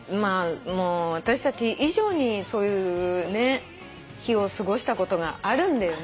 私たち以上にそういう日を過ごしたことがあるんだよね。